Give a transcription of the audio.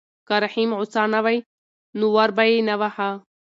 که رحیم غوسه نه وای نو ور به یې نه واهه.